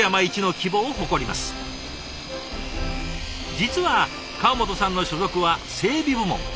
実は川本さんの所属は整備部門。